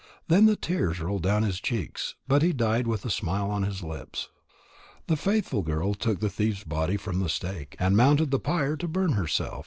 Then the tears rolled down his cheeks, but he died with a smile on his lips. The faithful girl took the thief's body from the stake, and mounted the pyre to burn herself.